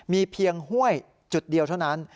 มีเพียงห้วยจุดเดียวเท่านั้น